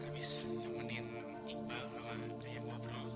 habis nyemenin ikbal bawa bercaya bobro